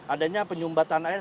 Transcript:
adanya penyumbatan air